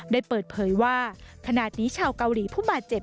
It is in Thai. ได้เปิดเผยว่าขณะนี้ชาวเกาหลีผู้บาดเจ็บ